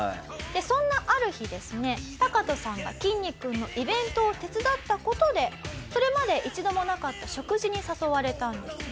そんなある日ですねタカトさんがきんに君のイベントを手伝った事でそれまで一度もなかった食事に誘われたんですよね。